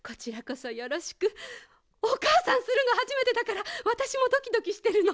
おかあさんするのはじめてだからわたしもドキドキしてるの。